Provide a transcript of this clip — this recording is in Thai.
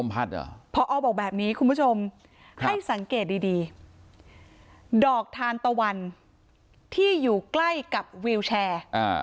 พอบอกแบบนี้คุณผู้ชมให้สังเกตดีดอกทานตะวันที่อยู่ใกล้กับวิวแชร์